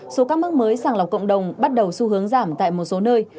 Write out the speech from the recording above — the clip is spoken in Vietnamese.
số ca mắc mới sàng lọc cộng đồng bắt đầu xu hướng giảm tại một số nơi